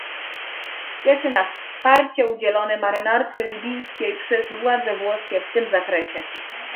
Cieszy nas wsparcie udzielone marynarce libijskiej przez władze włoskie w tym zakresie